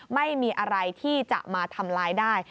ไม่มีอะไรที่จะมาทำร้ายได้